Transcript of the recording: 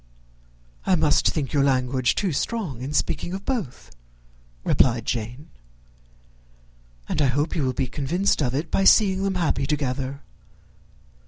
"I must think your language too strong in speaking of both," replied Jane; "and I hope you will be convinced of it, by seeing them happy together.